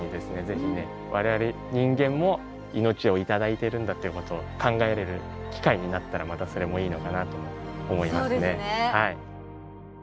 ぜひね我々人間も命を頂いてるんだっていうことを考えれる機会になったらまたそれもいいのかなと思いますね。